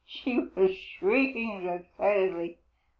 She was shrieking excitedly.